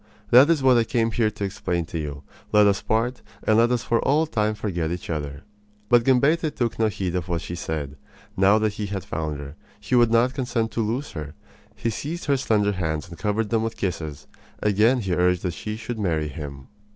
That is what I came here to explain to you. Let us part, and let us for all time forget each other." But Gambetta took no heed of what she said. Now that he had found her, he would not consent to lose her. He seized her slender hands and covered them with kisses. Again he urged that she should marry him.